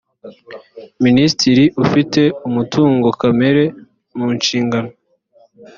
minisitiri ufite umutungo kamere munshingano